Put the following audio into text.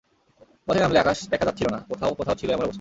পথে নামলে আকাশ দেখা যাচ্ছিল না, কোথাও কোথাও ছিল এমন অবস্থা।